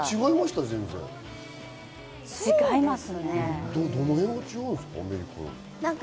違いますか？